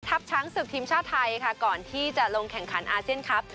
ช้างศึกทีมชาติไทยค่ะก่อนที่จะลงแข่งขันอาเซียนครับ